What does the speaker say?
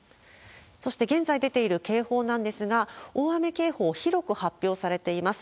そして現在出ている警報なんですが、大雨警報、広く発表されています。